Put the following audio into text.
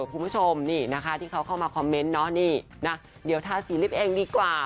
คุณผู้ชมนี่นะคะที่เขาเข้ามาคอมเมนต์เนาะนี่นะเดี๋ยวทาสีลิฟต์เองดีกว่า